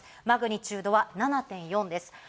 マグニチュードは７．４です。